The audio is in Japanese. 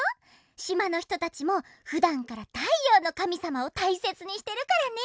しまのひとたちもふだんからたいようのかみさまをたいせつにしてるからね。